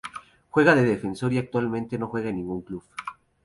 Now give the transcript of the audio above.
Juega de defensor y actualmente no juega en ningún club.